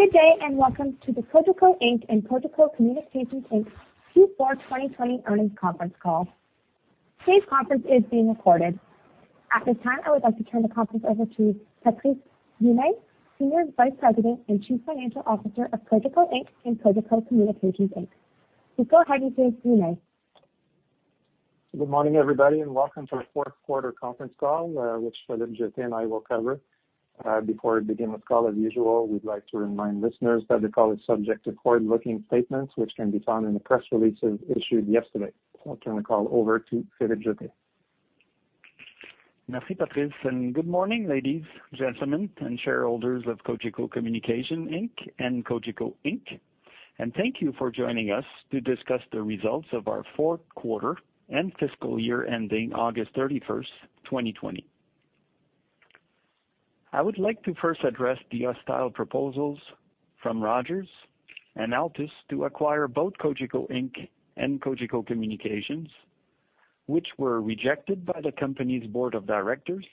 Good day, welcome to the Cogeco Inc. and Cogeco Communications Inc. Q4 2020 Earnings Conference Call. Today's conference is being recorded. At this time, I would like to turn the conference over to Patrice Ouimet, Senior Vice President and Chief Financial Officer of Cogeco Inc. and Cogeco Communications Inc. [inaudible] Good morning, everybody, and welcome to our fourth quarter conference call, which Philippe Jetté and I will cover. Before we begin the call, as usual, we'd like to remind listeners that the call is subject to forward-looking statements, which can be found in the press releases issued yesterday. I'll turn the call over to Philippe Jetté. Merci, Patrice. Good morning, ladies, gentlemen, and shareholders of Cogeco Communications Inc. and Cogeco Inc. Thank you for joining us to discuss the results of our fourth quarter and fiscal year ending August 31st, 2020. I would like to first address the hostile proposals from Rogers and Altice USA to acquire both Cogeco Inc. and Cogeco Communications, which were rejected by the company's board of directors,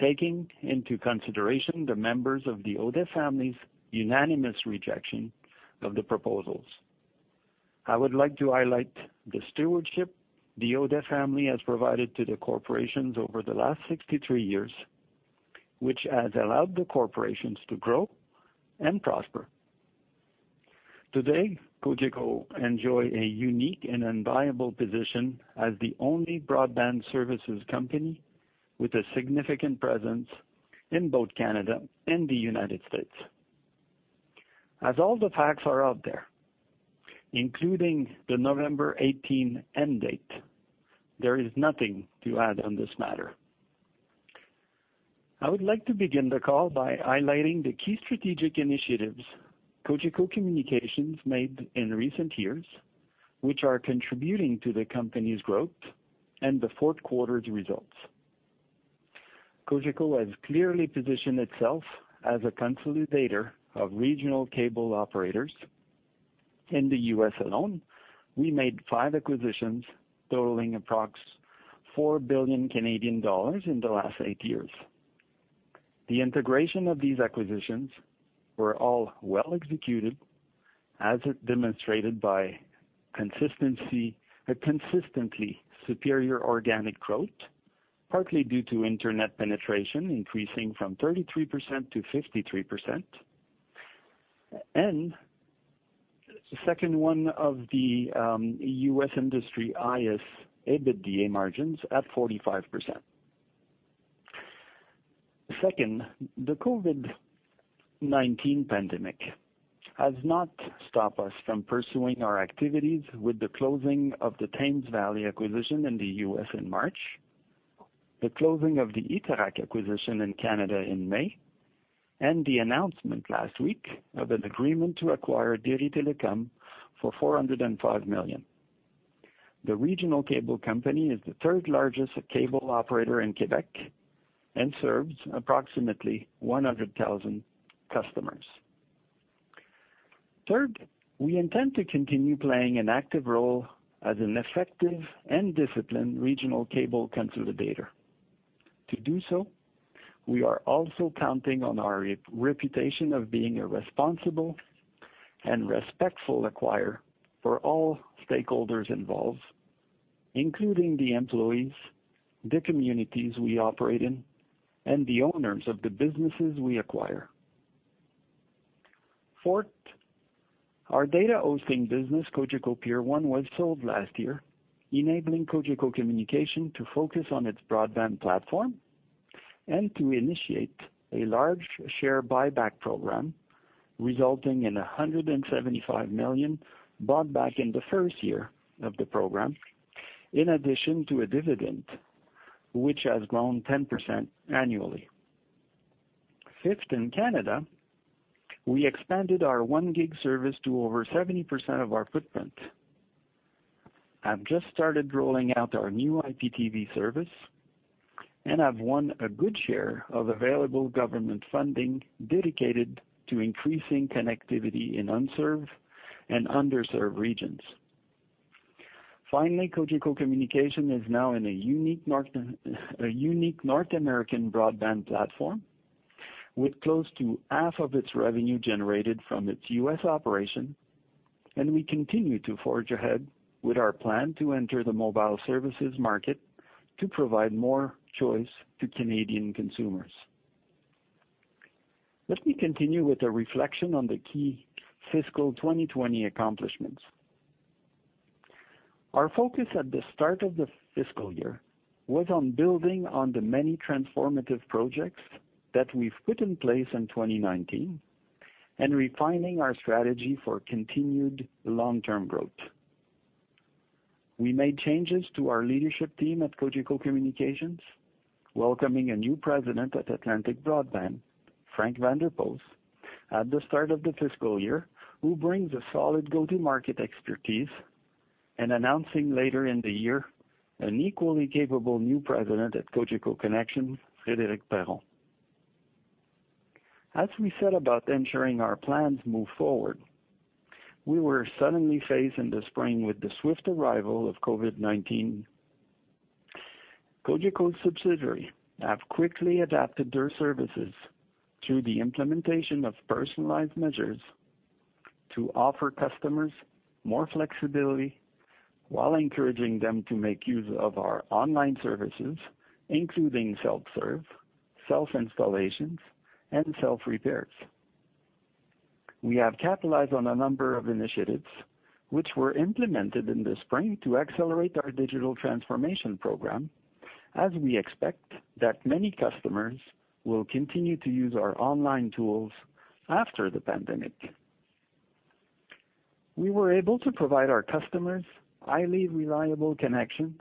taking into consideration the members of the Audet family's unanimous rejection of the proposals. I would like to highlight the stewardship the Audet family has provided to the corporations over the last 63 years, which has allowed the corporations to grow and prosper. Today, Cogeco enjoys a unique and enviable position as the only broadband services company with a significant presence in both Canada and the United States. As all the facts are out there, including the November 18 end date, there is nothing to add on this matter. I would like to begin the call by highlighting the key strategic initiatives. Cogeco Communications made in recent years, which are contributing to the company's growth and the fourth quarter's results. Cogeco has clearly positioned itself as a consolidator of regional cable operators. In the U.S. alone, we made five acquisitions totaling approx. 4 billion Canadian dollars in the last eight years. The integration of these acquisitions was all well executed, as demonstrated by a consistently superior organic growth, partly due to internet penetration increasing from 33%-53%, and, second, one of the U.S. industry's highest EBITDA margins at 45%. Second, the COVID-19 pandemic has not stopped us from pursuing our activities with the closing of the Thames Valley acquisition in the U.S. in March, the closing of the iTéract acquisition in Canada in May, and the announcement last week of an agreement to acquire Déry Télécom for 405 million. The regional cable company is the third largest cable operator in Quebec and serves approximately 100,000 customers. Third, we intend to continue playing an active role as an effective and disciplined regional cable consolidator. To do so, we are also counting on our reputation of being a responsible and respectful acquirer for all stakeholders involved, including the employees, the communities we operate in, and the owners of the businesses we acquire. Fourth, our data hosting business, Cogeco Peer 1, was sold last year, enabling Cogeco Communications to focus on its broadband platform and to initiate a large share buyback program, resulting in 175 million bought back in the first year of the program, in addition to a dividend, which has grown 10% annually. Fifth, in Canada, we expanded our 1-gig service to over 70% of our footprint, have just started rolling out our new IPTV service, and have won a good share of available government funding dedicated to increasing connectivity in unserved and underserved regions. Finally, Cogeco Communications is now in a unique North American broadband platform with close to half of its revenue generated from its U.S. operation, and we continue to forge ahead with our plan to enter the mobile services market to provide more choice to Canadian consumers. Let me continue with a reflection on the key fiscal 2020 accomplishments. Our focus at the start of the fiscal year was on building on the many transformative projects that we've put in place in 2019 and refining our strategy for continued long-term growth. We made changes to our leadership team at Cogeco Communications, welcoming a new president at Atlantic Broadband, Frank van der Post, at the start of the fiscal year, who brings solid go-to-market expertise, and announcing later in the year an equally capable new president at Cogeco Connexion, Frédéric Perron. As we set about ensuring our plans moved forward, we were suddenly faced in the spring with the swift arrival of COVID-19. Cogeco subsidiaries have quickly adapted their services through the implementation of personalized measures to offer customers more flexibility while encouraging them to make use of our online services, including self-service, self-installations, and self-repairs. We have capitalized on a number of initiatives that were implemented in the spring to accelerate our Digital Transformation Program, as we expect that many customers will continue to use our online tools after the pandemic. We were able to provide our customers highly reliable connections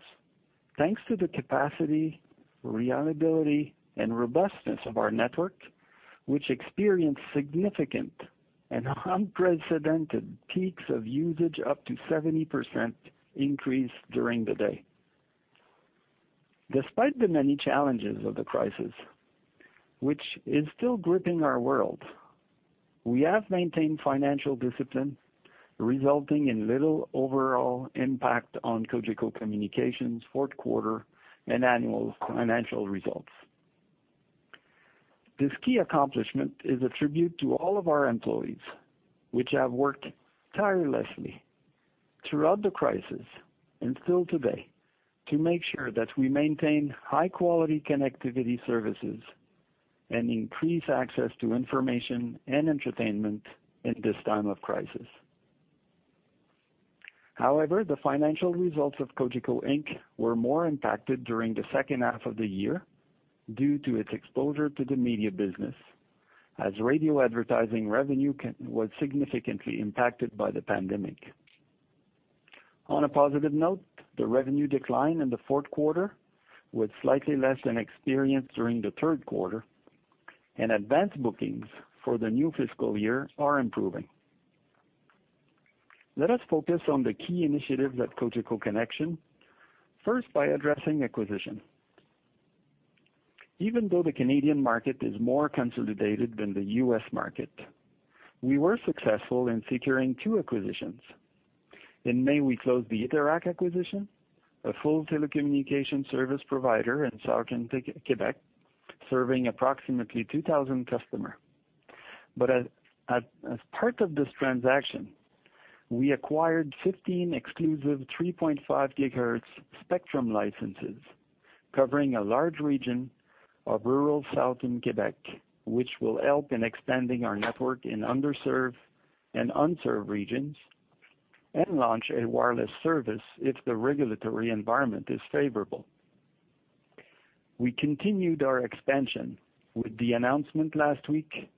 thanks to the capacity, reliability, and robustness of our network, which experienced significant and unprecedented peaks of usage, up to a 70% increase during the day. Despite the many challenges of the crisis, which is still gripping our world, we have maintained financial discipline, resulting in little overall impact on Cogeco Communications' fourth quarter and annual financial results. This key accomplishment is a tribute to all of our employees, which have worked tirelessly throughout the crisis and still today to make sure that we maintain high-quality connectivity services and increase access to information and entertainment in this time of crisis. However, the financial results of Cogeco Inc. were more impacted during the second half of the year due to its exposure to the media business, as radio advertising revenue was significantly impacted by the pandemic. On a positive note, the revenue decline in the fourth quarter was slightly less than experienced during the third quarter, and advance bookings for the new fiscal year are improving. Let us focus on the key initiatives at Cogeco Connexion, first by addressing acquisition. Even though the Canadian market is more consolidated than the U.S. market, we were successful in securing two acquisitions. In May, we closed the iTéract acquisition, a full telecommunication service provider in southern Quebec, serving approximately 2,000 customers. As part of this transaction, we acquired 15 exclusive 3.5GHz spectrum licenses covering a large region of rural southern Quebec, which will help in expanding our network in underserved and unserved regions and launch a wireless service if the regulatory environment is favorable. We continued our expansion with the announcement last week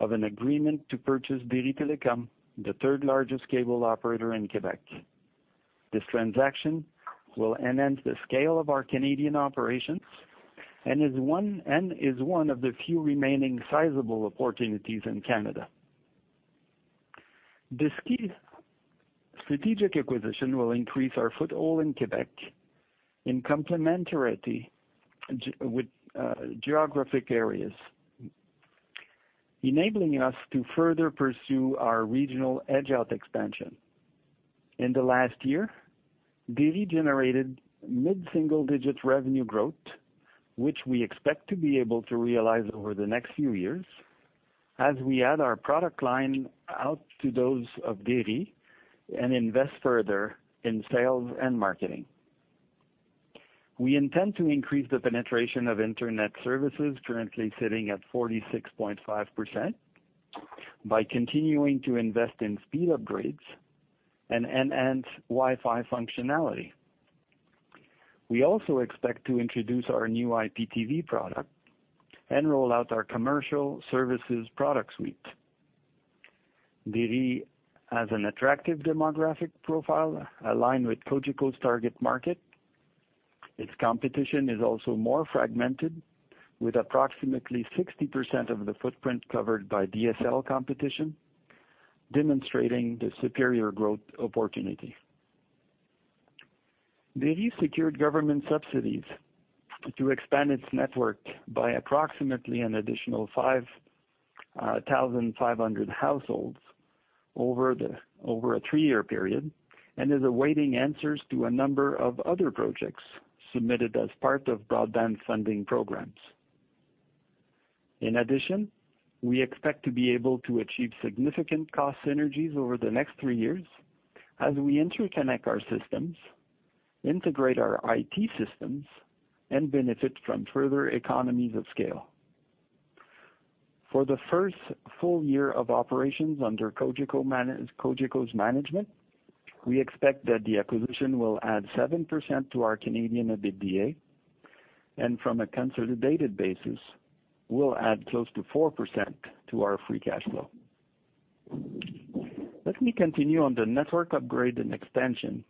of an agreement to purchase Déry Télécom, the third-largest cable operator in Quebec. This transaction will enhance the scale of our Canadian operations and is one of the few remaining sizable opportunities in Canada. This key strategic acquisition will increase our foothold in Quebec in complementarity with geographic areas, enabling us to further pursue our regional edge-out expansion. In the last year, Déry generated mid-single-digit revenue growth, which we expect to be able to realize over the next few years as we add our product line out to those of Déry and invest further in sales and marketing. We intend to increase the penetration of internet services currently sitting at 46.5% by continuing to invest in speed upgrades and enhance Wi-Fi functionality. We also expect to introduce our new IPTV product and roll out our commercial services product suite. Déry has an attractive demographic profile aligned with Cogeco's target market. Its competition is also more fragmented, with approximately 60% of the footprint covered by DSL competition, demonstrating the superior growth opportunity. Déry secured government subsidies to expand its network by approximately an additional 5,500 households over a three-year period and is awaiting answers to a number of other projects submitted as part of broadband funding programs. In addition, we expect to be able to achieve significant cost synergies over the next three years as we interconnect our systems, integrate our IT systems, and benefit from further economies of scale. For the first full year of operations under Cogeco's management, we expect that the acquisition will add 7% to our Canadian EBITDA, and from a consolidated basis, will add close to 4% to our free cash flow. Let me continue on the network upgrade and expansion.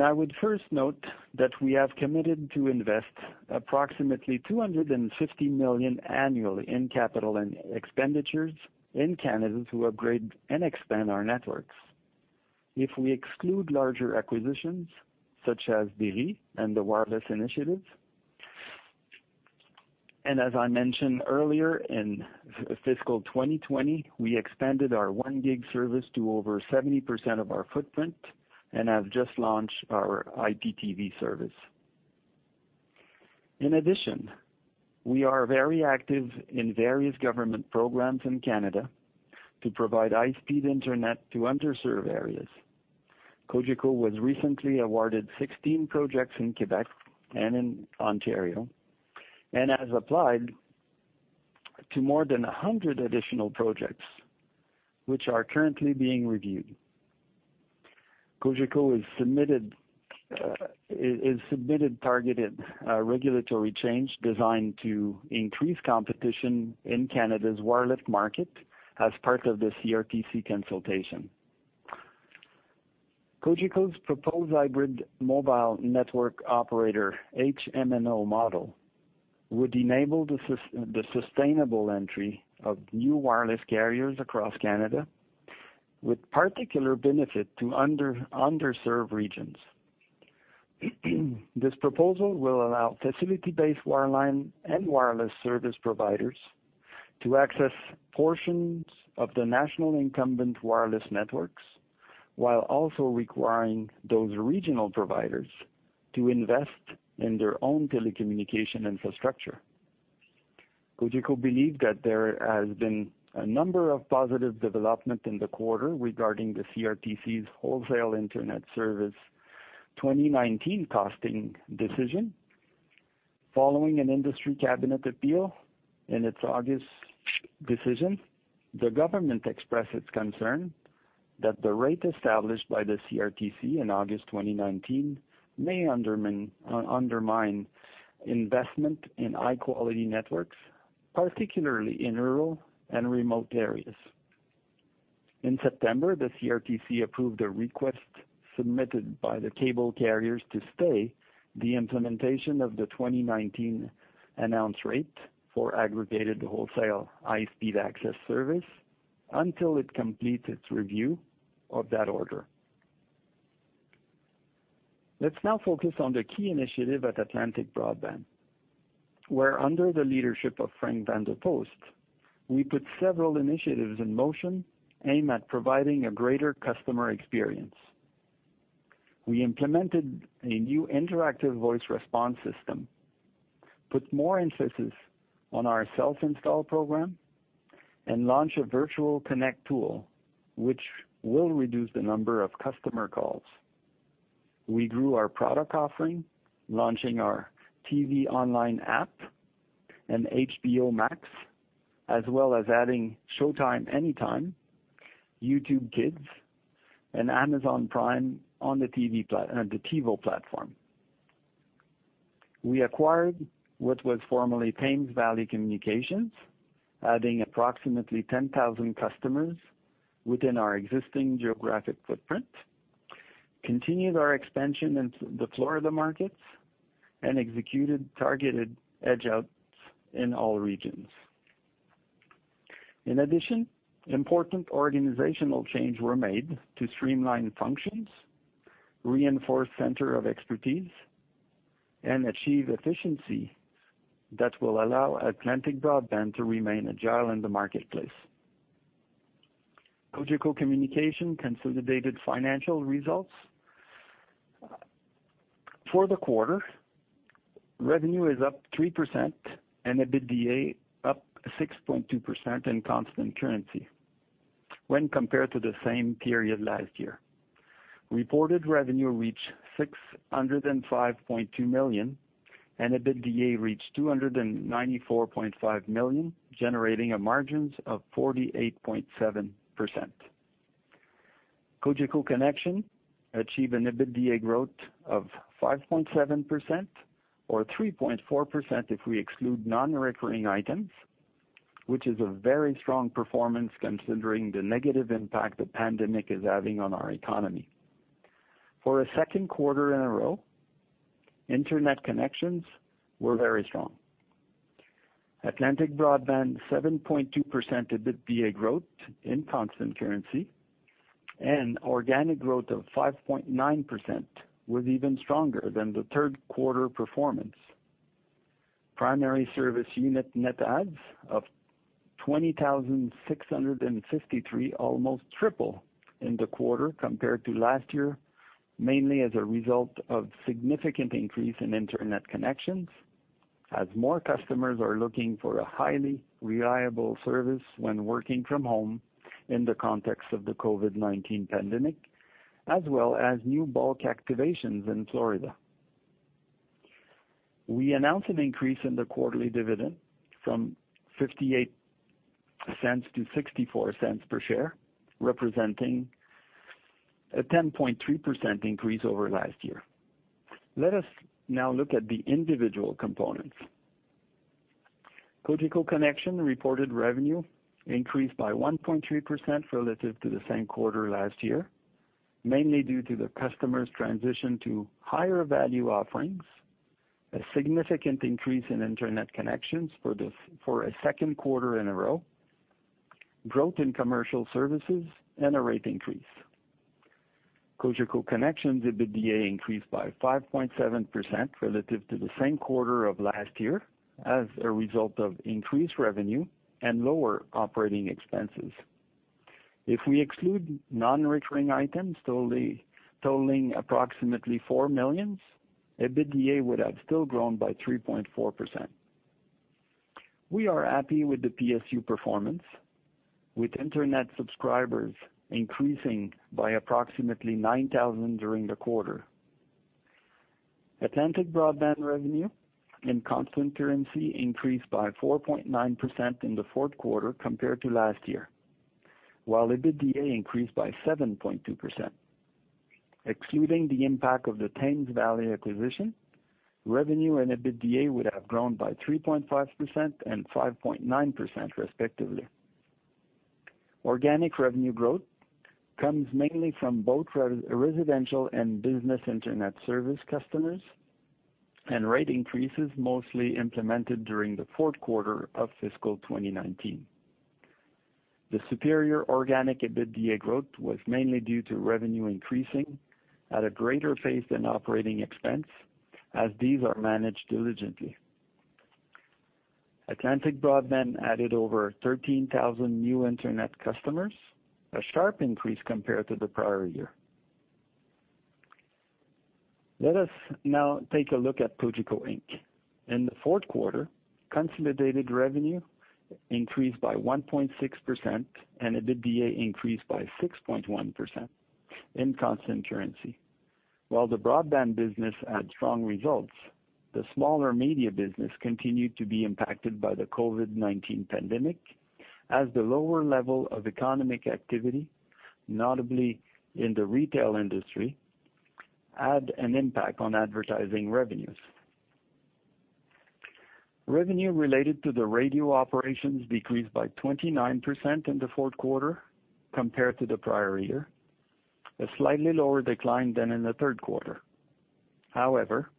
I would first note that we have committed to invest approximately 250 million annually in capital expenditures in Canada to upgrade and expand our networks. If we exclude larger acquisitions such as Déry and the wireless initiative. As I mentioned earlier, in fiscal 2020, we expanded our 1-gig service to over 70% of our footprint and have just launched our IPTV service. In addition, we are very active in various government programs in Canada to provide high-speed internet to underserved areas. Cogeco was recently awarded 16 projects in Quebec and in Ontario and has applied to more than 100 additional projects, which are currently being reviewed. Cogeco has submitted a targeted regulatory change designed to increase competition in Canada's wireless market as part of the CRTC consultation. Cogeco's proposed hybrid mobile network operator, HMNO model, would enable the sustainable entry of new wireless carriers across Canada with particular benefit to underserved regions. This proposal will allow facility-based wireline and wireless service providers to access portions of the national incumbent wireless networks while also requiring those regional providers to invest in their own telecommunication infrastructure. Cogeco believed that there has been a number of positive developments in the quarter regarding the CRTC's wholesale internet service 2019 costing decision. Following an industry cabinet appeal in its August decision, the government expressed its concern that the rate established by the CRTC in August 2019 may undermine investment in high-quality networks, particularly in rural and remote areas. In September, the CRTC approved a request submitted by the cable carriers to stay the implementation of the 2019 announced rate for aggregated wholesale high-speed access service until it completes its review of that order. Let's now focus on the key initiative at Atlantic Broadband, where under the leadership of Frank van der Post, we put several initiatives in motion aimed at providing a greater customer experience. We implemented a new interactive voice response system, put more emphasis on our self-install program, and launched a virtual connect tool, which will reduce the number of customer calls. We grew our product offering, launching our TV online app and HBO Max, as well as adding Showtime Anytime, YouTube Kids, and Amazon Prime on the TiVo platform. We acquired what was formerly Thames Valley Communications, adding approximately 10,000 customers within our existing geographic footprint, continued our expansion into the Florida markets, and executed targeted edge-outs in all regions. In addition, important organizational changes were made to streamline functions, reinforce the center of expertise, and achieve efficiency that will allow Atlantic Broadband to remain agile in the marketplace. Cogeco Connexion consolidated financial results. For the quarter, revenue is up 3% and EBITDA is up 6.2% in constant currency when compared to the same period last year. Reported revenue reached 605.2 million, and EBITDA reached 294.5 million, generating a margin of 48.7%. Cogeco Connexion achieved an EBITDA growth of 5.7% or 3.4% if we exclude non-recurring items, which is a very strong performance considering the negative impact the pandemic is having on our economy. For a second quarter in a row, internet connections were very strong. Atlantic Broadband, 7.2% EBITDA growth in constant currency, and organic growth of 5.9% were even stronger than the third quarter performance. Primary Service Unit net adds of 20,653 almost tripled in the quarter compared to last year, mainly as a result of a significant increase in internet connections, as more customers are looking for a highly reliable service when working from home in the context of the COVID-19 pandemic, as well as new bulk activations in Florida. We announced an increase in the quarterly dividend from 0.58-0.64 per share, representing a 10.3% increase over last year. Let us now look at the individual components. Cogeco Connexion reported revenue increased by 1.3% relative to the same quarter last year, mainly due to the customer's transition to higher-value offerings, a significant increase in Internet connections for a second quarter in a row, growth in commercial services, and a rate increase. Cogeco Connexion's EBITDA increased by 5.7% relative to the same quarter of last year as a result of increased revenue and lower operating expenses. If we exclude non-recurring items totaling approximately 4 million, EBITDA would have still grown by 3.4%. We are happy with the PSU performance, with Internet subscribers increasing by approximately 9,000 during the quarter. Atlantic Broadband revenue in constant currency increased by 4.9% in the fourth quarter compared to last year, while EBITDA increased by 7.2%. Excluding the impact of the Thames Valley acquisition, revenue and EBITDA would have grown by 3.5% and 5.9%, respectively. Organic revenue growth comes mainly from both residential and business Internet service customers, and rate increases mostly implemented during the fourth quarter of fiscal 2019. The superior organic EBITDA growth was mainly due to revenue increasing at a greater pace than operating expense, as these are managed diligently. Atlantic Broadband added over 13,000 new Internet customers, a sharp increase compared to the prior year. Let us now take a look at Cogeco Inc. In the fourth quarter, consolidated revenue increased by 1.6% and EBITDA increased by 6.1% in constant currency. While the broadband business had strong results, the smaller media business continued to be impacted by the COVID-19 pandemic, as the lower level of economic activity, notably in the retail industry, had an impact on advertising revenues. Revenue related to the radio operations decreased by 29% in the fourth quarter compared to the prior year, a slightly lower decline than in the third quarter. However,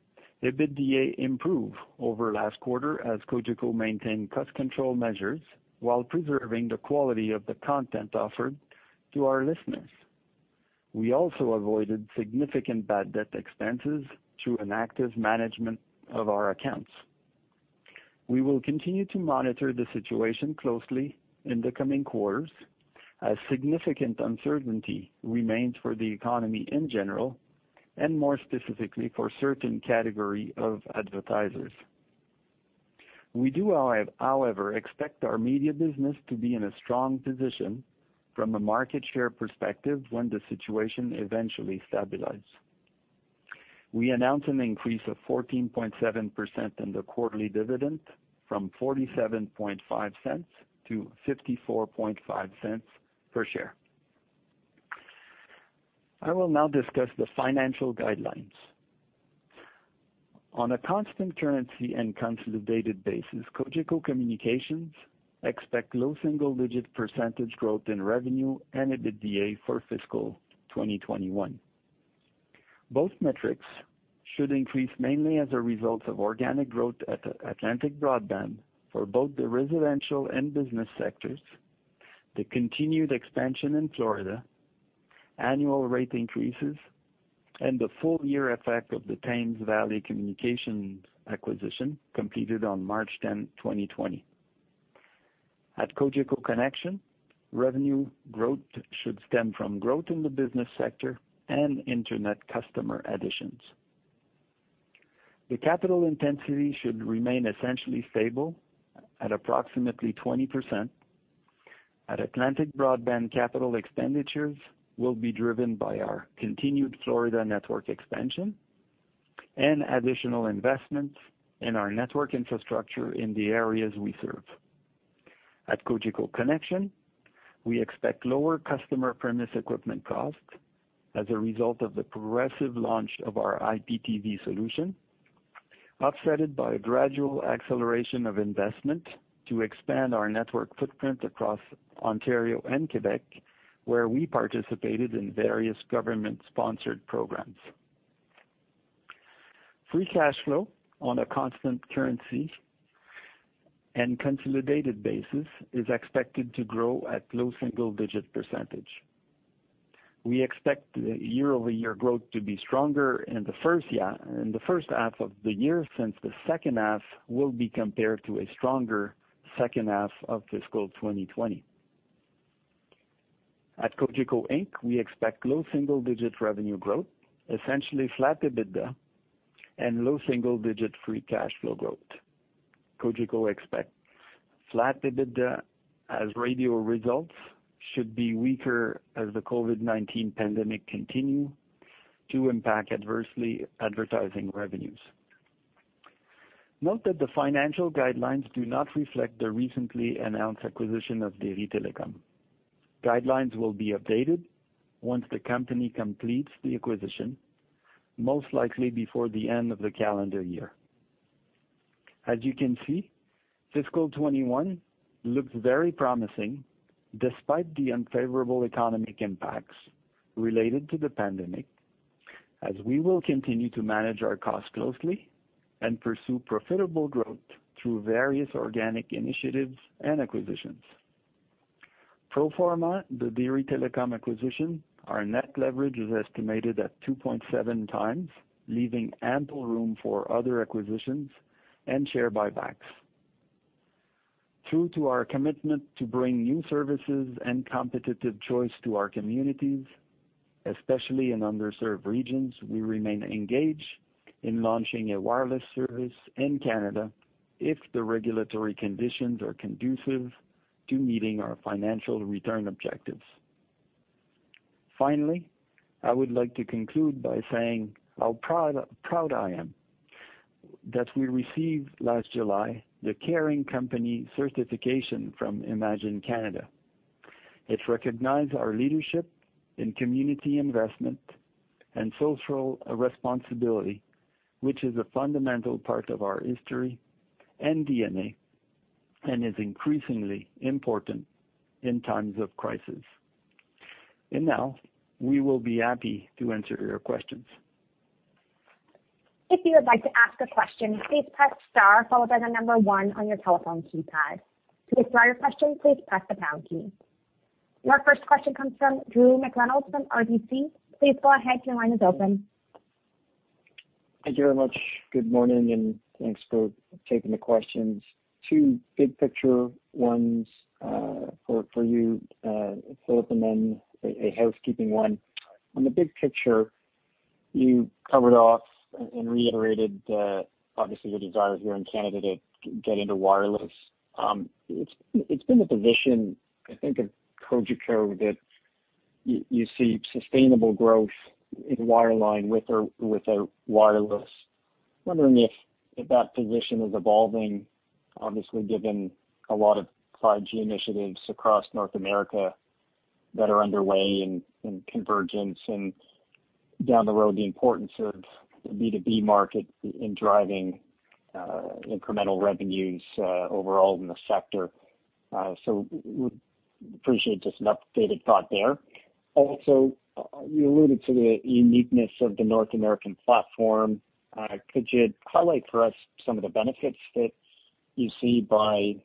EBITDA improved over last quarter as Cogeco maintained cost control measures while preserving the quality of the content offered to our listeners. We also avoided significant bad debt expenses through an active management of our accounts. We will continue to monitor the situation closely in the coming quarters as significant uncertainty remains for the economy in general and more specifically for certain categories of advertisers. We do, however, expect our media business to be in a strong position from a market share perspective when the situation eventually stabilizes. We announced an increase of 14.7% in the quarterly dividend from 0.475-0.545 per share. I will now discuss the financial guidelines. On a constant currency and consolidated basis, Cogeco Communications expects low-single-digit percentage growth in revenue and EBITDA for fiscal 2021. Both metrics should increase mainly as a result of organic growth at Atlantic Broadband for both the residential and business sectors, the continued expansion in Florida, annual rate increases, and the full-year effect of the Thames Valley Communications acquisition completed on March 10, 2020. At Cogeco Connexion, revenue growth should stem from growth in the business sector and Internet customer additions. The capital intensity should remain essentially stable at approximately 20%. At Atlantic Broadband, capital expenditures will be driven by our continued Florida network expansion and additional investments in our network infrastructure in the areas we serve. At Cogeco Connexion, we expect lower customer premise equipment costs as a result of the progressive launch of our IPTV solution, offset by a gradual acceleration of investment to expand our network footprint across Ontario and Quebec, where we participated in various government-sponsored programs. Free cash flow on a constant currency and consolidated basis is expected to grow at a low-single-digit percentage. We expect year-over-year growth to be stronger in the first half of the year since the second half will be compared to a stronger second half of fiscal 2020. At Cogeco Inc., we expect low-single-digit revenue growth, essentially flat EBITDA, and low-single-digit free cash flow growth. Cogeco expects flat EBITDA as radio results should be weaker as the COVID-19 pandemic continues to adversely impact advertising revenues. Note that the financial guidelines do not reflect the recently announced acquisition of Déry Télécom. Guidelines will be updated once the company completes the acquisition, most likely before the end of the calendar year. You can see, fiscal 2021 looks very promising despite the unfavorable economic impacts related to the pandemic. We will continue to manage our costs closely and pursue profitable growth through various organic initiatives and acquisitions. Pro forma, the Déry Télécom acquisition, our net leverage is estimated at 2.7x, leaving ample room for other acquisitions and share buybacks. True to our commitment to bring new services and competitive choice to our communities, especially in underserved regions, we remain engaged in launching a wireless service in Canada if the regulatory conditions are conducive to meeting our financial return objectives. Finally, I would like to conclude by saying how proud I am that we received the Caring Company Certification from Imagine Canada last July. It recognized our leadership in community investment and social responsibility, which is a fundamental part of our history and DNA and is increasingly important in times of crisis. Now, we will be happy to answer your questions. If you would like to ask a question, please press star followed by the number one on your telephone keypad. To withdraw your question, please press the pound key. Your first question comes from Drew McReynolds from RBC. Thank you very much. Good morning, and thanks for taking the questions. Two big picture ones for you, Philippe, and then a housekeeping one. In the big picture, you covered off and reiterated the, obviously, the desire here in Canada to get into wireless. It's been the position, I think, of Cogeco, that you see sustainable growth in wireline with or without wireless. Wondering if that position is evolving, obviously, given a lot of 5G initiatives across North America that are underway in convergence and down the road, the importance of the B2B market in driving incremental revenues overall in the sector. Would appreciate just an updated thought there. Also, you alluded to the uniqueness of the North American platform. Could you highlight for us some of the benefits that you see by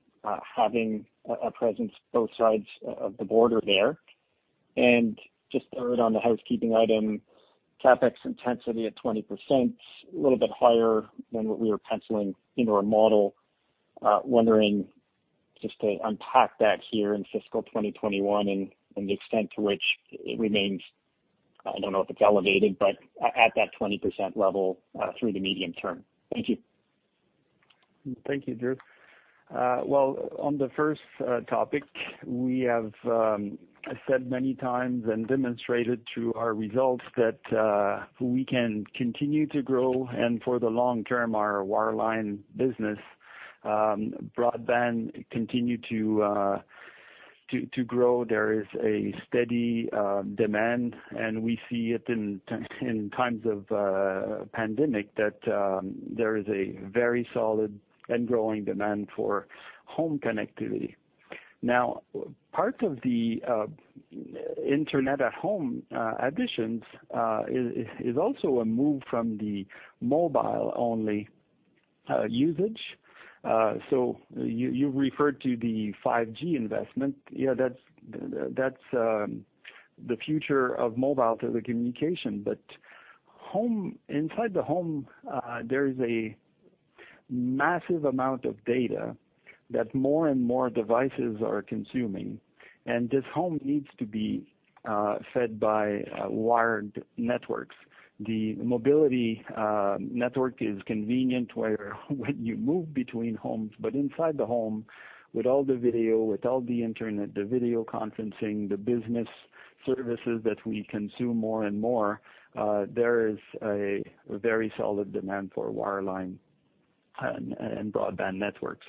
having a presence on both sides of the border there? Just third on the housekeeping item, CapEx intensity at 20%, a little bit higher than what we were penciling into our model. Wondering just to unpack that here in fiscal 2021 and the extent to which it remains, I don't know if it's elevated, but at that 20% level through the medium term? Thank you. Thank you, Drew. Well, on the first topic, we have said many times and demonstrated through our results that we can continue to grow, and for the long term, our wireline business and broadband continue to grow; there's a steady demand. We see it in times of pandemic that there is a very solid and growing demand for home connectivity. Now, part of the internet-at-home additions is also a move from the mobile-only usage. You referred to the 5G investment. Yeah, that's the future of mobile telecommunication. Inside the home, there is a massive amount of data that more and more devices are consuming, and this home needs to be fed by wired networks. The mobility network is convenient when you move between homes, but inside the home with all the video, with all the internet, the video conferencing, and the business services that we consume more and more, there is a very solid demand for wireline and broadband networks.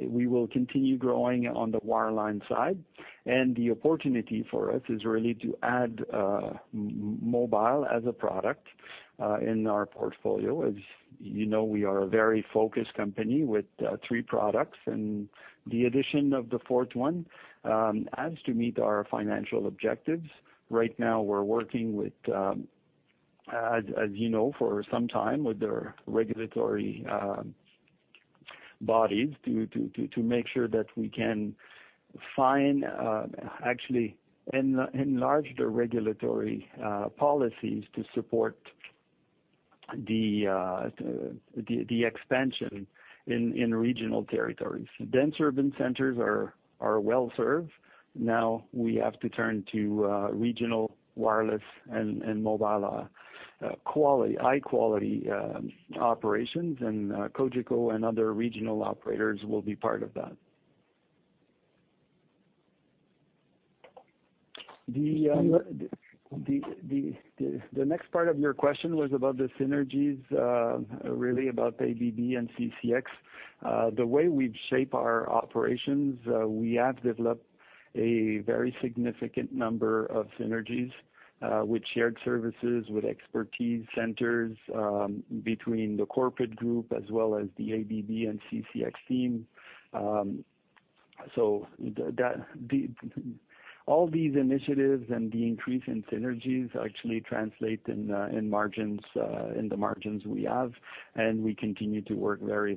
We will continue growing on the wireline side, and the opportunity for us is really to add mobile as a product in our portfolio. As you know, we are a very focused company with three products, and the addition of the fourth one adds to meeting our financial objectives. Right now, we're working with, as you know, for some time with the regulatory bodies to make sure that we can find, actually enlarge the regulatory policies to support the expansion in regional territories. Dense urban centers are well-served. We have to turn to regional wireless and mobile high-quality operations, Cogeco and other regional operators will be part of that. The next part of your question was about the synergies, really about ABB and CCX. The way we've shaped our operations, we have developed a very significant number of synergies with shared services, with expertise centers between the corporate group as well as the ABB and CCX teams. All these initiatives and the increase in synergies actually translate into the margins we have, and we continue to work very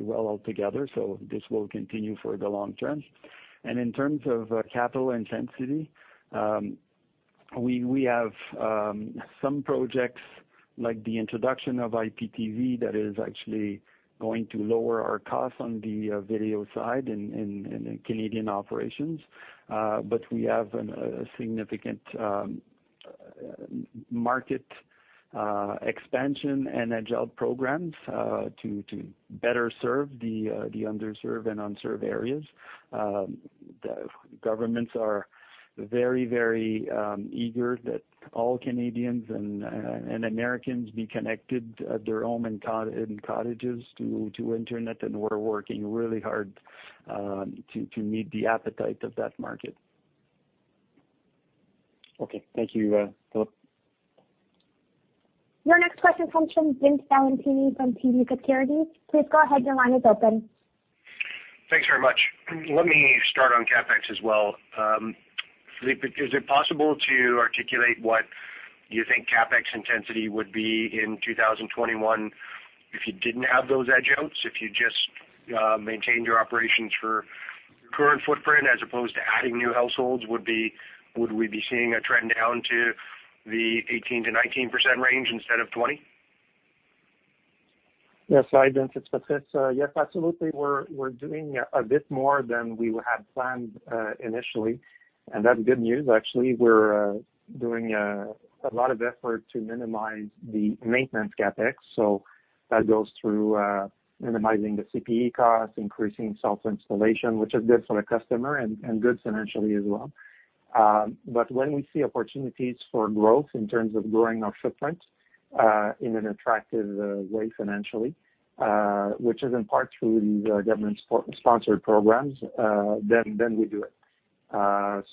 well together. This will continue for the long term. In terms of capital intensity, we have some projects like the introduction of IPTV that is actually going to lower our cost on the video side in Canadian operations. We have a significant market expansion and agile programs to better serve the underserved and unserved areas. The governments are very, very eager that all Canadians and Americans be connected at their homes and cottages to the Internet, and we're working really hard to meet the appetite of that market. Okay. Thank you, Philippe. Your next question comes from Vince Valentini from TD Securities. Please go ahead. Your line is open. Thanks very much. Let me start on CapEx as well. Is it possible to articulate what you think CapEx intensity would be in 2021 if you didn't have those edge outs, if you just maintained your operations for your current footprint, as opposed to adding new households? Would we be seeing a trend down to the 18%-19% range instead of 20%? Yes. Hi, Vince. It's Patrice. Yes, absolutely. We're doing a bit more than we had planned initially, and that's good news, actually. We're doing a lot of effort to minimize the maintenance CapEx, so that goes through minimizing the CPE cost and increasing self-installation, which is good for the customer and good financially as well. When we see opportunities for growth in terms of growing our footprint in an attractive way financially, which is in part through these government-sponsored programs, then we do it.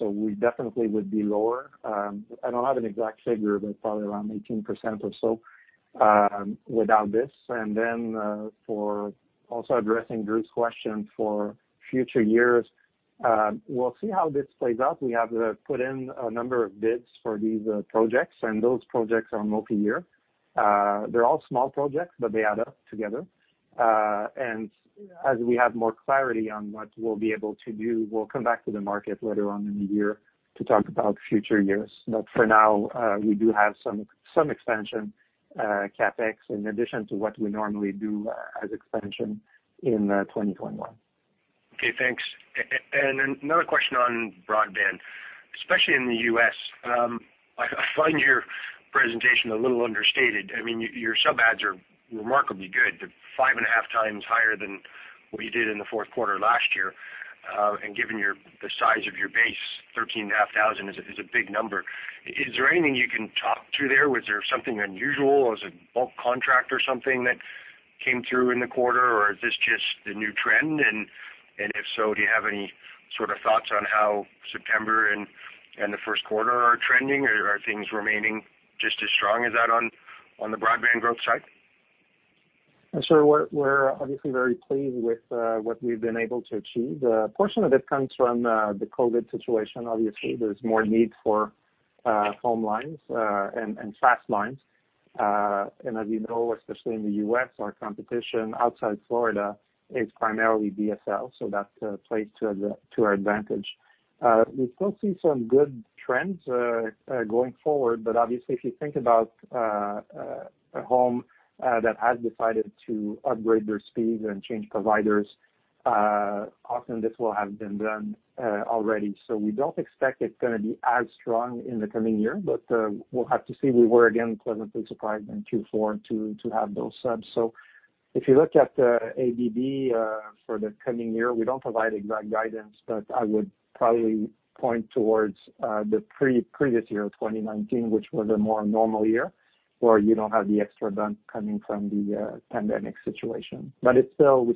We definitely would be lower. I don't have an exact figure, but probably around 18% or so without this. Then, for also addressing Drew's question for future years, we'll see how this plays out. We have put in a number of bids for these projects, and those projects are multi-year. They're all small projects, but they add up together. As we have more clarity on what we'll be able to do, we'll come back to the market later on in the year to talk about future years. For now, we do have some expansion CapEx in addition to what we normally do as expansion in 2021. Okay, thanks. Another question on broadband, especially in the U.S. I find your presentation a little understated. I mean, your sub ads are remarkably good. They're 5.5 times higher than what you did in the fourth quarter last year. Given the size of your base, 13,500 is a big number. Is there anything you can talk to there? Was there something unusual? Was it a bulk contract or something that came through in the quarter, or is this just the new trend? If so, do you have any sort of thoughts on how September and the first quarter are trending? Are things remaining just as strong as that on the broadband growth side? We're obviously very pleased with what we've been able to achieve. A portion of it comes from the COVID situation. Obviously, there's more need for home lines and fast lines. As you know, especially in the U.S., our competition outside Florida is primarily DSL, so that plays to our advantage. We still see some good trends going forward. Obviously, if you think about a home that has decided to upgrade their speeds and change providers, often this will have been done already. We don't expect it's going to be as strong in the coming year, but we'll have to see. We were again pleasantly surprised in Q4 to have those subs. If you look at the EBITDA for the coming year, we don't provide exact guidance, but I would probably point towards the previous year, 2019, which was a more normal year, where you don't have the extra bump coming from the pandemic situation. We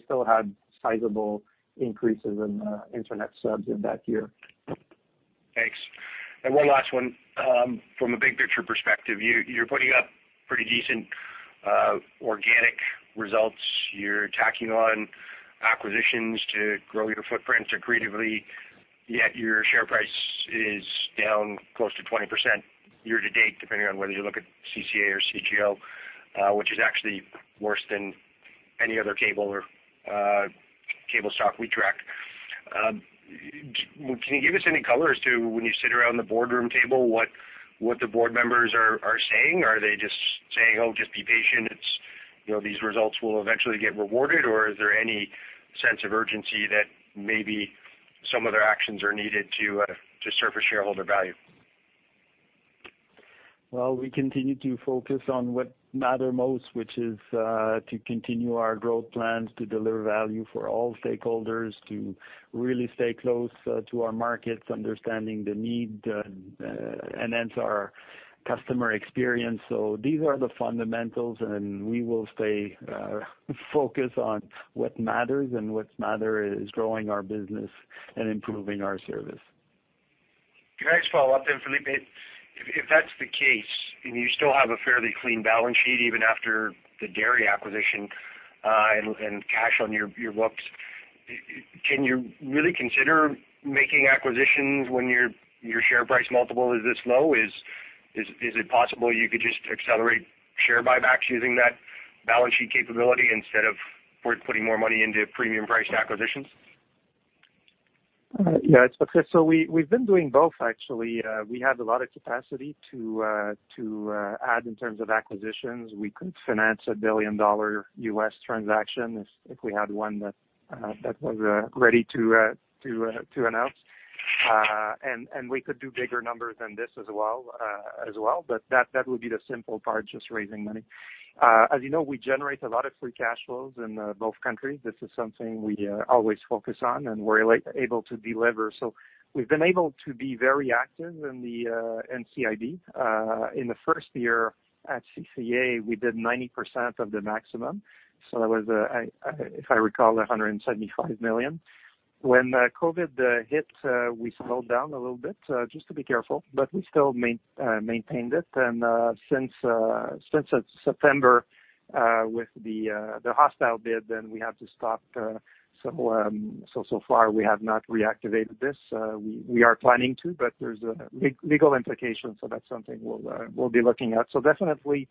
still had sizable increases in internet subs in that year. Thanks. One last one. From a big-picture perspective, you're putting up pretty decent organic results. You're tacking on acquisitions to grow your footprint creatively. Your share price is down close to 20% year-to-date, depending on whether you look at CCA or CGO, which is actually worse than any other cable or cable stock we track. Can you give us any color as to when you sit around the boardroom table, what the board members are saying? Are they just saying, Just be patient, these results will eventually get rewarded? Is there any sense of urgency that maybe some other actions are needed to surface shareholder value? Well, we continue to focus on what matters most, which is to continue our growth plans, to deliver value for all stakeholders, to really stay close to our markets, and to enhance our customer experience. These are the fundamentals, and we will stay focused on what matters. What matters is growing our business and improving our service. Next follow-up, Philippe. If that's the case and you still have a fairly clean balance sheet even after the Déry acquisition and cash on your books, can you really consider making acquisitions when your share price multiple is this low? Is it possible you could just accelerate share buybacks using that balance sheet capability instead of putting more money into premium-priced acquisitions? It's okay. We've been doing both, actually. We have a lot of capacity to add in terms of acquisitions. We could finance a billion-dollar U.S. transaction if we had one that was ready to announce. We could do bigger numbers than this as well, but that would be the simple part, just raising money. As you know, we generate a lot of free cash flows in both countries. This is something we always focus on, and we're able to deliver. We've been able to be very active in the NCIB. In the first year at CCA, we did 90% of the maximum. That was, if I recall, 175 million. When COVID hit, we slowed down a little bit, just to be careful, but we still maintained it. Since September, with the hostile bid, then we have to stop. So far, we have not reactivated this. We are planning to, but there are legal implications, so that's something we'll be looking at. Definitely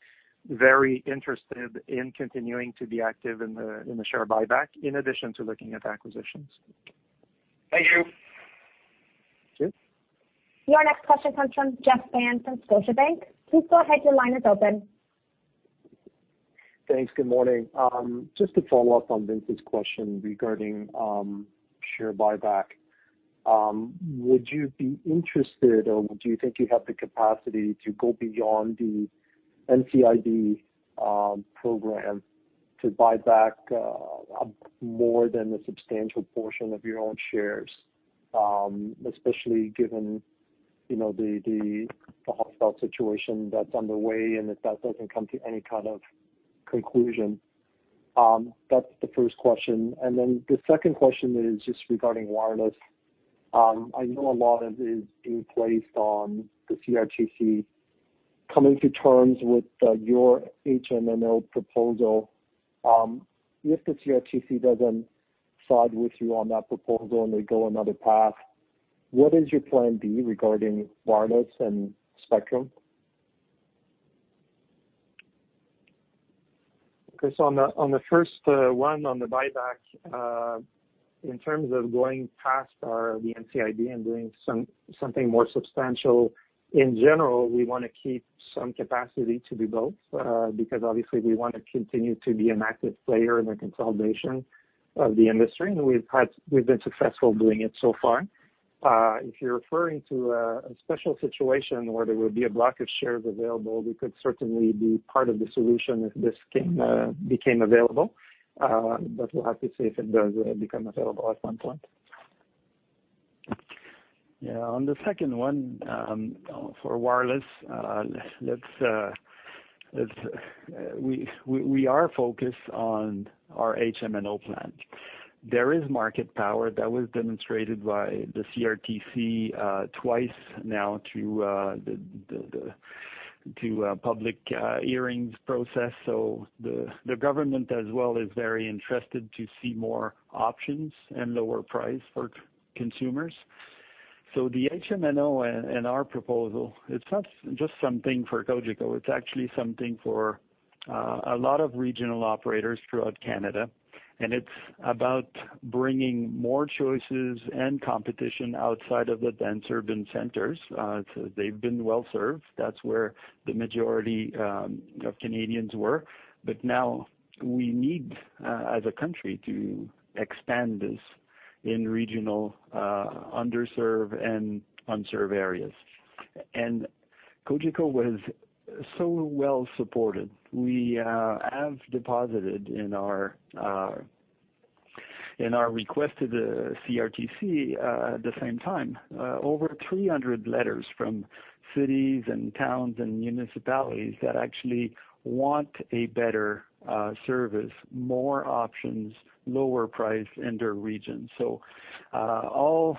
very interested in continuing to be active in the share buyback, in addition to looking at acquisitions. Thank you. Sure. Your next question comes from Jeff Fan from Scotiabank. Please go ahead, your line is open. Thanks. Good morning. Just to follow up on Vince's question regarding share buyback. Would you be interested, or do you think you have the capacity to go beyond the NCIB program to buy back more than a substantial portion of your own shares? Especially given the hostile situation that's underway and if that doesn't come to any kind of conclusion. That's the first question. The second question is just regarding wireless. I know a lot of it is being placed on the CRTC coming to terms with your HMNO proposal. If the CRTC doesn't side with you on that proposal and they go another path, what is your plan B regarding wireless and spectrum? On the first one, on the buyback, in terms of going past the NCIB and doing something more substantial, in general, we want to keep some capacity to do both, because obviously we want to continue to be an active player in the consolidation of the industry, and we've been successful doing it so far. If you're referring to a special situation where there would be a block of shares available, we could certainly be part of the solution if this became available. We'll have to see if it does become available at one point. On the second one, for wireless, we are focused on our HMNO plan. There is market power that was demonstrated by the CRTC twice now in the public hearings process. The government as well is very interested to see more options and lower prices for consumers. The HMNO and our proposal, it's not just something for Cogeco, it's actually something for a lot of regional operators throughout Canada, and it's about bringing more choices and competition outside of the dense urban centers. They've been well-served. That's where the majority of Canadians work. Now we need, as a country, to expand this in regional, underserved, and unserved areas. Cogeco was so well-supported. We have deposited in our request to the CRTC, at the same time, over 300 letters from cities and towns and municipalities that actually want a better service, more options, and lower prices in their region. All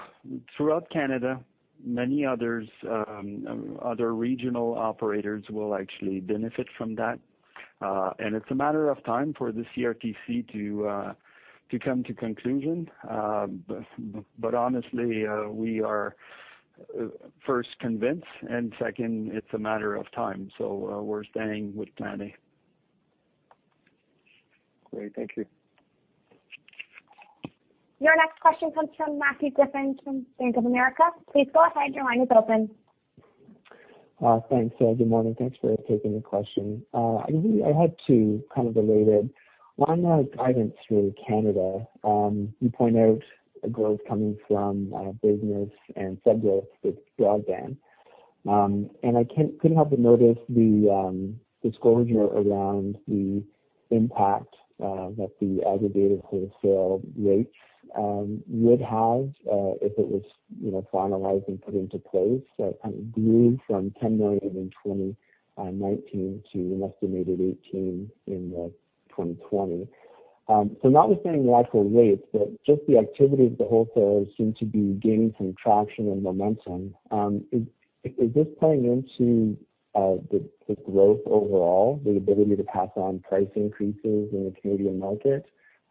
throughout Canada, many other regional operators will actually benefit from that. It's a matter of time for the CRTC to come to a conclusion. Honestly, we are, first, convinced, and second, it's a matter of time. We're staying with plan A. Great. Thank you. Your next question comes from Matthew Griffiths from Bank of America. Please go ahead. Your line is open. Thanks. Good morning. Thanks for taking the question. I had two, kind of related. One, guidance through Canada. You point out growth coming from business and subgroups with broadband. I couldn't help but notice the disclosure around the impact that the aggregated wholesale rates would have, if it was finalized and put into place, kind of moving from 10 million in 2019 to an estimated 18 million in 2020. Notwithstanding the actual rates, the activity of the wholesalers seems to be gaining some traction and momentum. Is this playing into the growth overall, the ability to pass on price increases in the Canadian market?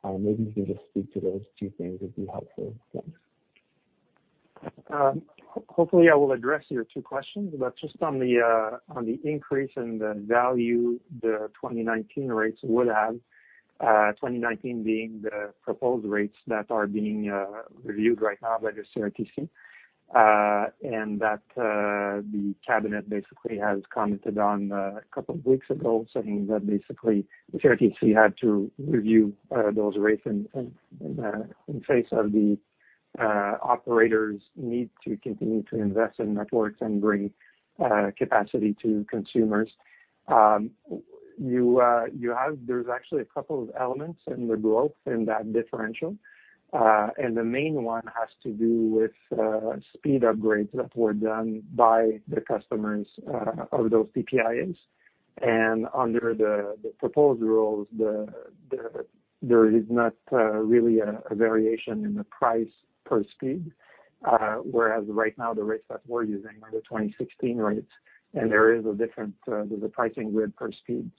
Maybe you can just speak to those two things, it would be helpful. Thanks. Hopefully, I will address your two questions, but just on the increase in the value the 2019 rates would have, 2019 being the proposed rates that are being reviewed right now by the CRTC. That the cabinet basically commented on a couple of weeks ago, saying that basically, the CRTC had to review those rates in the face of the operators' need to continue to invest in networks and bring capacity to consumers. There's actually a couple of elements in the growth in that differential. The main one has to do with speed upgrades that were done by the customers of those PPIS. Under the proposed rules, there is not really a variation in the price per speed. Whereas right now the rates that we're using are the 2016 rates, and there is a difference. There's a pricing grid per speed.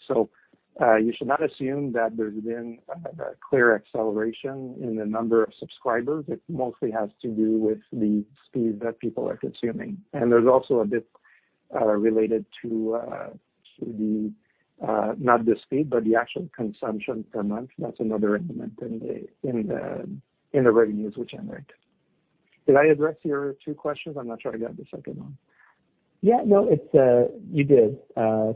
You should not assume that there's been a clear acceleration in the number of subscribers. It mostly has to do with the speed that people are consuming. There's also a bit related to, not the speed, but the actual consumption per month. That's another element in the revenues we generate. Did I address your two questions? I'm not sure I got the second one. Yeah, no. You did.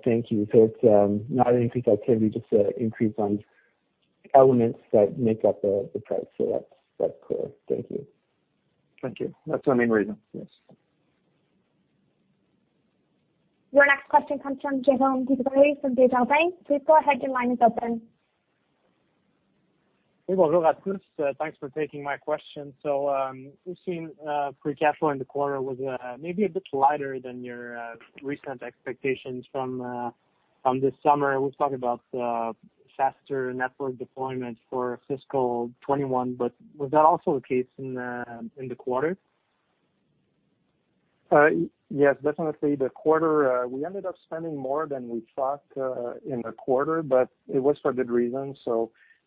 Thank you. It's not increased activity, just an increase on elements that make up the price. That's clear. Thank you. Thank you. That is the main reason. Yes. Your next question comes from Jérôme Dubreuil from Desjardins. Please go ahead, your line is open. Hey. Thanks for taking my question. We've seen free cash flow in the quarter was maybe a bit lighter than your recent expectations from this summer. We've talked about faster network deployment for fiscal 2021, was that also the case in the quarter? Definitely the quarter. We ended up spending more than we thought in the quarter, but it was for good reason.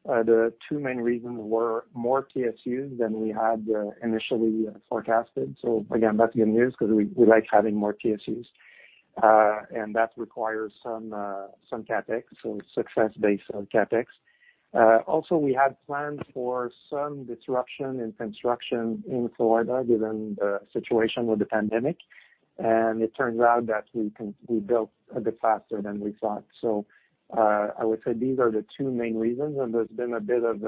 The two main reasons were more PSUs than we had initially forecasted. Again, that's good news because we like having more PSUs. That requires some CapEx, success-based CapEx. Also, we had planned for some disruption in construction in Florida given the situation with the pandemic. It turns out that we built a bit faster than we thought. I would say these are the two main reasons. There's been a bit of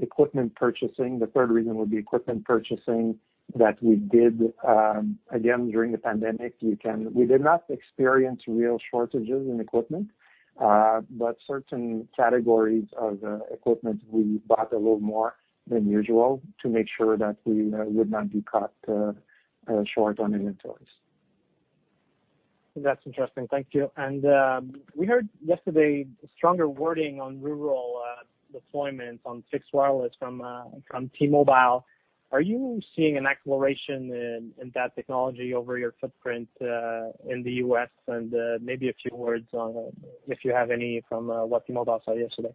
equipment purchasing. The third reason would be equipment purchasing that we did again during the pandemic. We did not experience real shortages in equipment. Certain categories of equipment, we bought a little more than usual to make sure that we would not be caught short on inventories. That's interesting. Thank you. We heard yesterday stronger wording on rural deployments on fixed wireless from T-Mobile. Are you seeing an exploration in that technology over your footprint in the U.S.? Maybe a few words on if you have any from what T-Mobile said yesterday?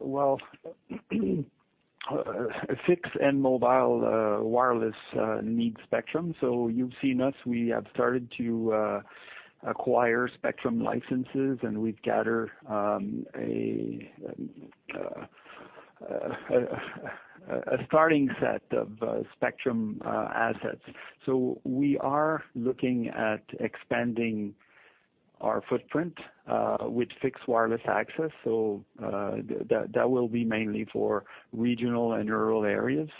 Well, fixed and mobile wireless need spectrum. You've seen us, we have started to acquire spectrum licenses, and we've gathered a starting set of spectrum assets. We are looking at expanding our footprint with fixed wireless access. That will be mainly for regional and rural areas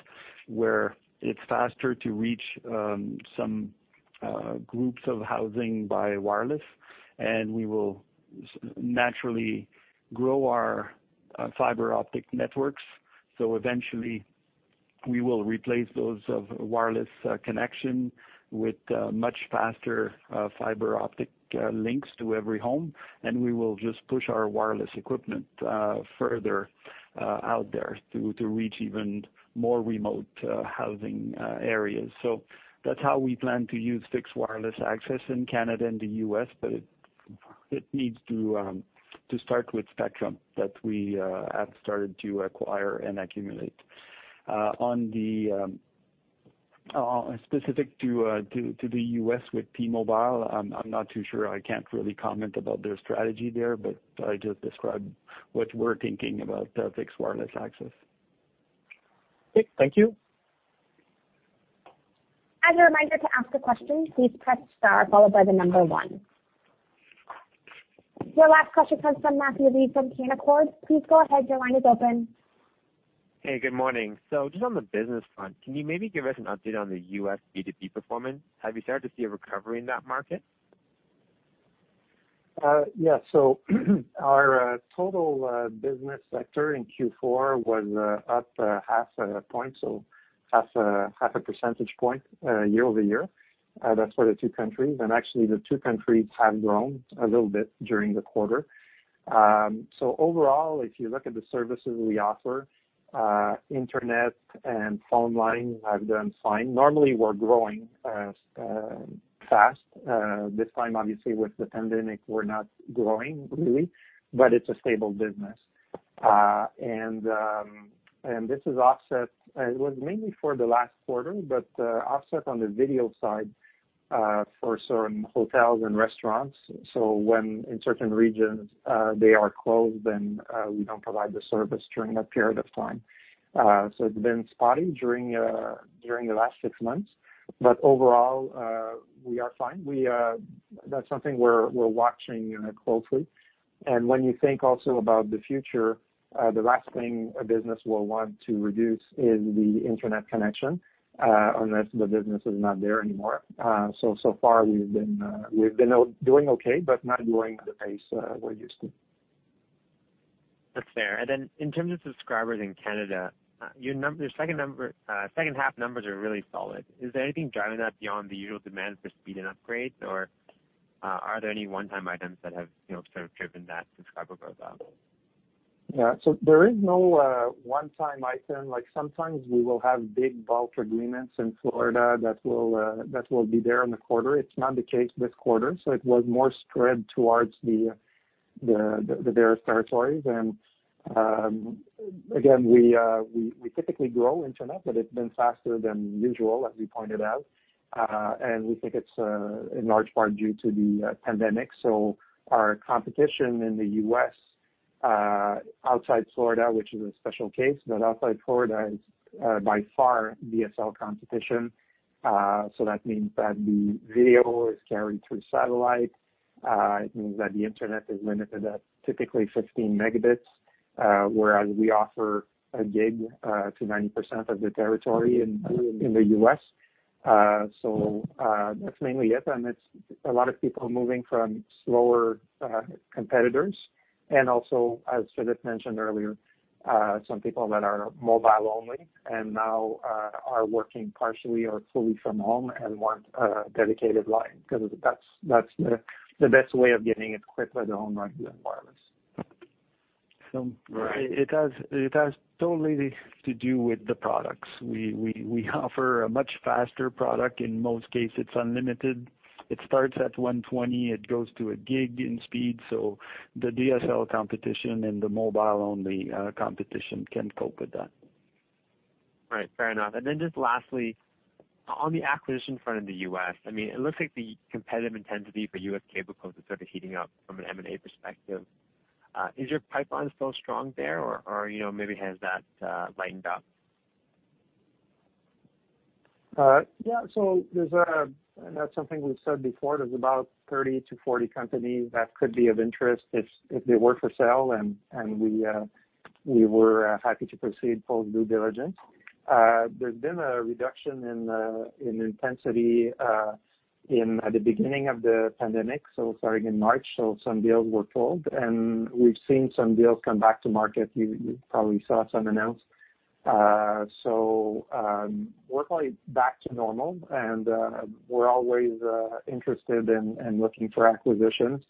where it's faster to reach some groups of housing by wireless. We will naturally grow our fiber optic networks. Eventually, we will replace those wireless connections with much faster fiber optic links to every home. We will just push our wireless equipment further out there to reach even more remote housing areas. That's how we plan to use fixed wireless access in Canada and the U.S. It needs to start with the spectrum that we have started to acquire and accumulate. Specific to the U.S. with T-Mobile, I'm not too sure. I can't really comment about their strategy there, but I just described what we're thinking about fixed wireless access. Okay. Thank you. As a reminder to ask a question, please press star followed by the number one. Your last question comes from Matthew Lee from Canaccord. Please go ahead, your line is open. Hey, good morning. Just on the business front, can you maybe give us an update on the U.S. B2B performance? Have you started to see a recovery in that market? Our total business sector in Q4 was up half a point, so half a percentage point year-over-year. That's for the two countries. Actually, the two countries have grown a little bit during the quarter. Overall, if you look at the services we offer, internet and phone lines have done fine. Normally, we're growing fast. This time, obviously, with the pandemic, we're not really growing, but it's a stable business. This is offset, it was mainly for the last quarter, offset on the video side for certain hotels and restaurants. When in certain regions they are closed, we don't provide the service during that period of time. It's been spotty during the last six months. Overall, we are fine. That's something we're watching closely. When you also think about the future, the last thing a business will want to reduce is the internet connection, unless the business is not there anymore. So far we've been doing okay, but not growing at the pace we're used to. That's fair. In terms of subscribers in Canada, your second-half numbers are really solid. Is there anything driving that beyond the usual demand for speed and upgrades? Are there any one-time items that have driven that subscriber growth up? Yeah. There is no one-time item. Sometimes we will have big bulk agreements in Florida that will be there in the quarter. It's not the case this quarter, it was more spread towards the various territories. Again, we typically grow the internet; it's been faster than usual, as we pointed out. We think it's in large part due to the pandemic. Our competition in the U.S., outside Florida, which is a special case, is by far DSL competition. That means that the video is carried through satellite. It means that the internet is limited to typically 15 megabits, whereas we offer a gig to 90% of the territory in the U.S. That's mainly it. It's a lot of people moving from slower competitors. Also, as Philippe mentioned earlier, some people that are mobile-only and now are working partially or fully from home want a dedicated line because that's the best way of getting equipped with a home line than wireless. It has totally to do with the products. We offer a much faster product. In most cases, it's unlimited. It starts at 120, it goes to a gig in speed. The DSL competition and the mobile-only competition can't cope with that. Right. Fair enough. Just lastly, on the acquisition front in the U.S., it looks like the competitive intensity for U.S. cable is sort of heating up from an M&A perspective. Is your pipeline still strong there, or maybe has that lightened up? Yeah. That's something we've said before. There are about 30-40 companies that could be of interest if they were for sale, and we were happy to proceed post due diligence. There's been a reduction in intensity at the beginning of the pandemic, starting in March. Some deals were pulled, and we've seen some deals come back to market. You probably saw some announced. We're probably back to normal, and we're always interested in looking for acquisitions.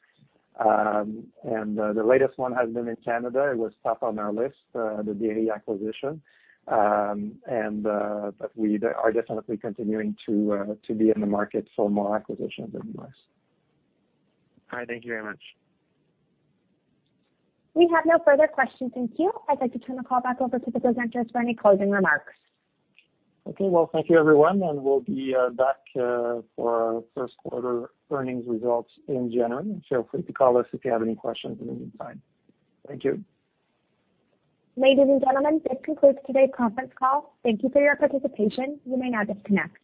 The latest one has been in Canada. It was top on our list, the Déry acquisition. We are definitely continuing to be in the market for more acquisitions in the U.S. All right. Thank you very much. We have no further questions in queue. I'd like to turn the call back over to the presenters for any closing remarks. Okay. Well, thank you, everyone. We'll be back for our first quarter earnings results in January. Feel free to call us if you have any questions in the meantime. Thank you. Ladies and gentlemen, this concludes today's conference call. Thank you for your participation. You may now disconnect.